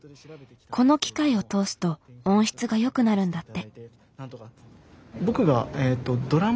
この機械を通すと音質が良くなるんだって。